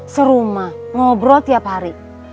seruma ngobrol tiap hari